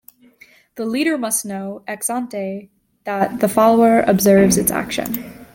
The leader must know "ex ante" that the follower observes its action.